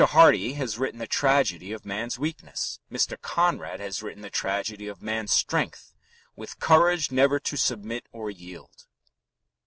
Hardy has written the tragedy of man's weakness; Mr. Conrad has written the tragedy of man's strength "with courage never to submit or yield."